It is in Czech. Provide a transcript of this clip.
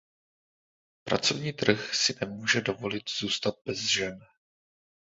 Pracovní trh si nemůže dovolit zůstat bez žen.